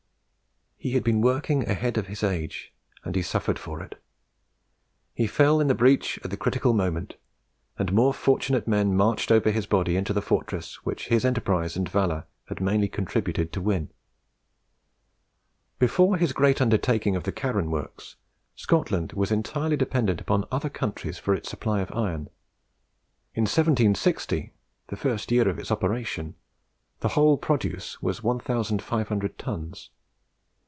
He had been working ahead of his age, and he suffered for it. He fell in the breach at the critical moment, and more fortunate men marched over his body into the fortress which his enterprise and valour had mainly contributed to win. Before his great undertaking of the Carron Works, Scotland was entirely dependent upon other countries for its supply of iron. In 1760, the first year of its operations, the whole produce was 1500 tons.